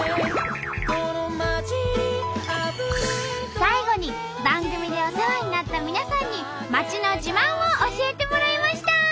最後に番組でお世話になった皆さんに町の自慢を教えてもらいました！